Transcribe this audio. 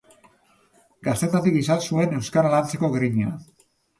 Gaztetatik izan zuen euskara lantzeko grina.